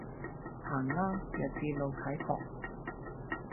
行啦，弱智露體狂